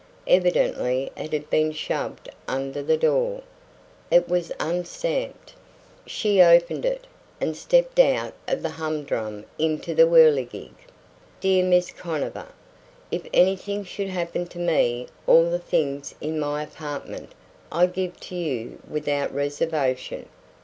Evidently it had been shoved under the door. It was unstamped. She opened it, and stepped out of the humdrum into the whirligig. DEAR MISS CONOVER: If anything should happen to me all the things in my apartment I give to you without reservation.